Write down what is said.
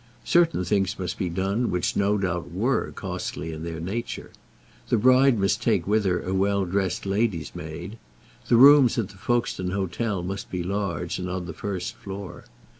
Certain things must be done which, no doubt, were costly in their nature. The bride must take with her a well dressed lady's maid. The rooms at the Folkestone hotel must be large, and on the first floor.